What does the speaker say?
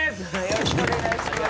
よろしくお願いします。